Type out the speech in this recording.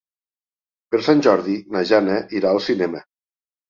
Per Sant Jordi na Jana irà al cinema.